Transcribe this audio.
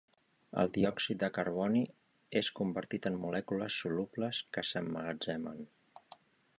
El diòxid de carboni és convertit en molècules solubles que s'emmagatzemen.